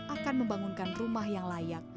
akan membangunkan rumah yang layak